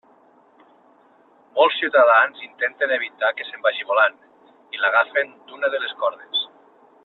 Molts ciutadans intenten evitar que se'n vagi volant i l'agafen d'una de les cordes.